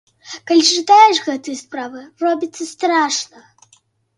Калі чытаеш гэтыя справы, робіцца страшна.